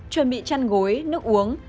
chuẩn bị chăn gối nước uống